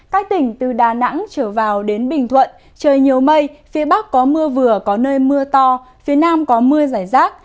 các tỉnh từ đà nẵng trở vào đến bình thuận trời nhiều mây phía bắc có mưa vừa có nơi mưa to phía nam có mưa giải rác